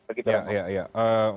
begitu ya pak